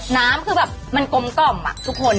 น้ำคือแบบมันกำทุกคน